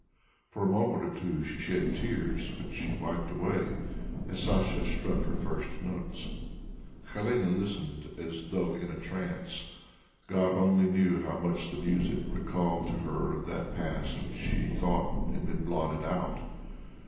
For a moment or two she shed tears, which she wiped away as Sacha struck her first notes. Helene listened as though in a trance. God only knew how much the music recalled to her of that past which she thought had been blotted out.